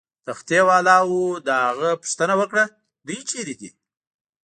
تختې والاو له هغه پوښتنه وکړه: دوی چیرې دي؟